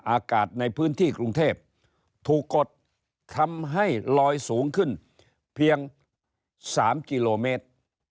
อากาศในพื้นที่กรุงเทพถูกกดทำให้ลอยสูงขึ้นเพียง๓กิโลเมตร